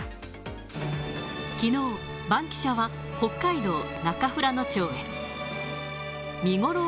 きのう、バンキシャは、北海道中富良野町へ。